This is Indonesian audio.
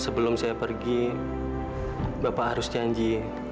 sebelum saya pergi bapak harus janji